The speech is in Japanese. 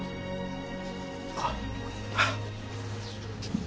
あっ。